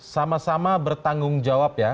sama sama bertanggung jawab ya